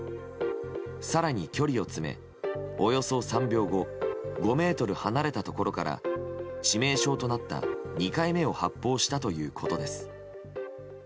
更に距離を詰め、およそ３秒後５ｍ離れたところから致命傷となった２回目を発砲したということです。